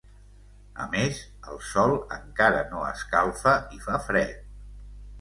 A més, el sol encara no escalfa i fa fred.